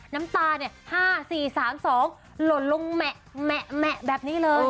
น้ำตา๕๔๓๒หล่นลงแหมะแบบนี้เลย